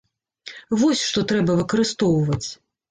Вось, што трэба выкарыстоўваць!